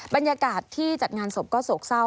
บรรยากาศที่จัดงานศพก็โศกเศร้า